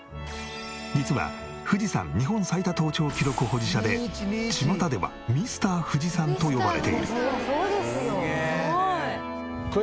実は富士山日本最多登頂記録保持者でちまたではミスター富士山と呼ばれている。